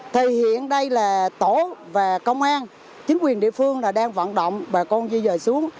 thể hiện đây là tổ và công an chính quyền địa phương đang vận động bà con di dời xuống